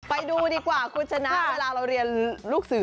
ไปดูดีกว่าคุณชนะเวลาเราเรียนลูกสื่อ